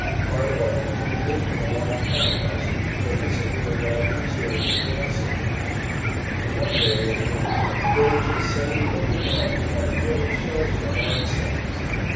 Part of our company lived in a large farmhouse, where recently arrived reserves were also lodged. One day, at noon, the village was suddenly overwhelmed by a hail of shells of a large size.